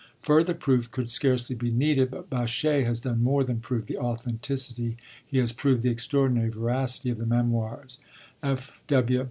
Further proof could scarcely be needed, but Baschet has done more than prove the authenticity, he has proved the extraordinary veracity, of the Memoirs. F.